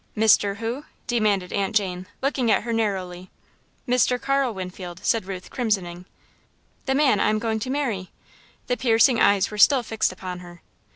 "Mr. who?" demanded Aunt Jane, looking at her narrowly. "Mr. Carl Winfield," said Ruth, crimsoning "the man I am going to marry." The piercing eyes were still fixed upon her.